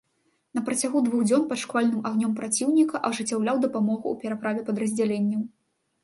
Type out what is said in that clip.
На працягу двух дзён пад шквальным агнём праціўніка ажыццяўляў дапамогу ў пераправе падраздзяленняў.